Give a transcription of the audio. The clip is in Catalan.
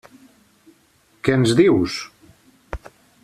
Què ens dius?